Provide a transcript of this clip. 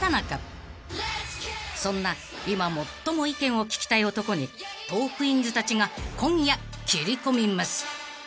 ［そんな今最も意見を聞きたい男にトークィーンズたちが今夜切り込みます］